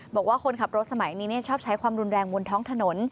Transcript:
บอกว่าคนขับรถสมัยนี้ชอบใช้ความรุนแรงบนท้องถนน